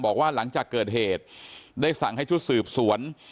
บอกว่าหลังจากเกิดเหตุได้สั่งให้ชุดสืบสวน